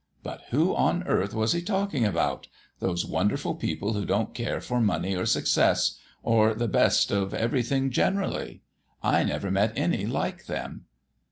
But who on earth was he talking about those wonderful people who don't care for money or success, or the best of everything generally? I never met any like them."